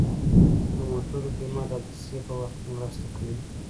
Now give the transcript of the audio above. د موټرو بیمه د حادثې په وخت مرسته کوي.